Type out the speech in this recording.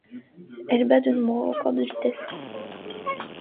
Elle bat de nombreux records de vitesse.